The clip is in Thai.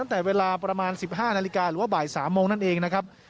ตั้งแต่เวลาประมาณ๑๕นาฬิกาหรือว่าบ่าย๓โมงนั่นเองนะครับ